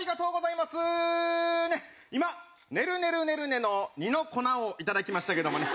今ねるねるねるねの２の粉を頂きましたけどもね。